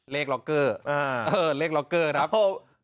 ล็อกเกอร์เลขล็อกเกอร์ครับ